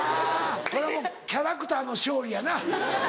これはもうキャラクターの勝利やな。